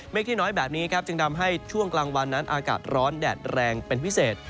ที่น้อยแบบนี้ครับจึงทำให้ช่วงกลางวันนั้นอากาศร้อนแดดแรงเป็นพิเศษ